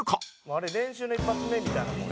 「あれ練習の一発目みたいなもん」